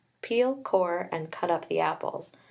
Peel, core, and out up the apples.